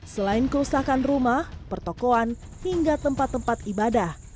selain kerusakan rumah pertokoan hingga tempat tempat ibadah